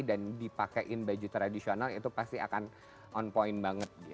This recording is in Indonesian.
dan dipakaiin baju tradisional itu pasti akan on point banget